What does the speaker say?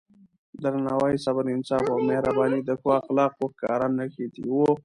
درناوی، صبر، انصاف او مهرباني د ښو اخلاقو ښکاره نښې دي.